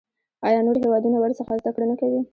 آیا نور هیوادونه ورڅخه زده کړه نه کوي؟